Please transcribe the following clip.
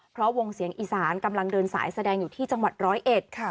เพราะวงเสียงอีสานกำลังเดินสายแสดงอยู่ที่จังหวัดร้อยเอ็ดค่ะ